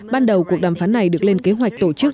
ban đầu cuộc đàm phán này được lên kế hoạch tổ chức